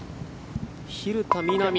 蛭田みな美